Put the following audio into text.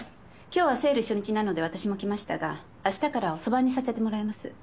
今日はセール初日なので私も来ましたがあしたからは遅番にさせてもらいます。